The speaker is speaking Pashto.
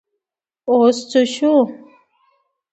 اوس څه شو ؟